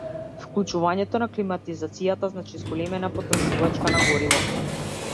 Вклучувањето на климатизацијата значи зголемена потрошувачка на гориво.